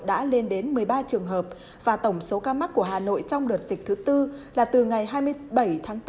đã lên đến một mươi ba trường hợp và tổng số ca mắc của hà nội trong đợt dịch thứ tư là từ ngày hai mươi bảy tháng bốn